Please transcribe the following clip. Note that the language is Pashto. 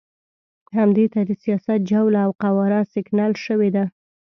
همدې ته د سیاست جوله او قواره سکڼل شوې ده.